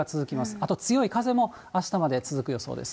あと強い風も、あしたまで続く予想です。